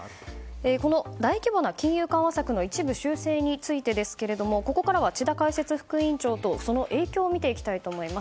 この大規模な金融緩和策の一部修正についてですがここからは智田解説副委員長とその影響を見ていきたいと思います。